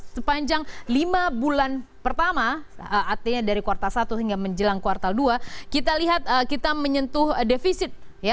dua ribu delapan belas sepanjang lima bulan pertama artinya dari kuartal satu hingga menjelang kuartal dua kita lihat kita menyentuh defisit ya